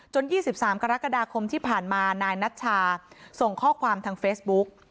๒๓กรกฎาคมที่ผ่านมานายนัชชาส่งข้อความทางเฟซบุ๊ก